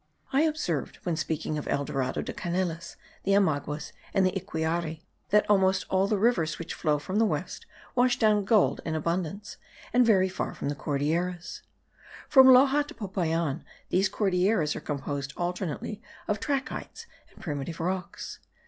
I observed, when speaking of El Dorado de Canelas, the Omaguas and the Iquiare, that almost all the rivers which flow from the west wash down gold in abundance, and very far from the Cordilleras. From Loxa to Popayan these Cordilleras are composed alternately of trachytes and primitive rocks.